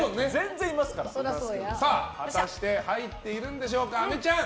果たして入っているんでしょうかあめちゃん。